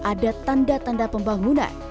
ada tanda tanda pembangunan